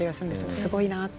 すごいなって。